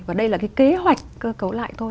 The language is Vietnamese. và đây là cái kế hoạch cơ cấu lại thôi